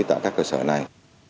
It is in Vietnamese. tại các cơ sở này